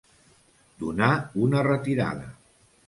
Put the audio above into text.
Donar una retirada.